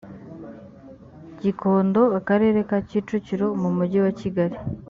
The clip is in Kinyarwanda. gikondo akarere ka kicukiro mu mujyi wa kigali